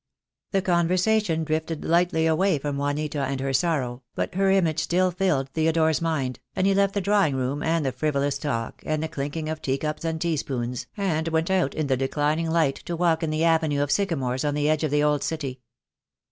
The conversation drifted lightly away from Juanita and her sorrow, but her image still filled Theodore's mind, and he left the drawing room and the frivolous talk and the clinking of teacups and teaspoons, and went out in the declining light to walk in the avenue of sycamores on the edge of the old city.